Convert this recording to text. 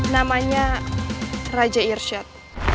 namanya raja irsyad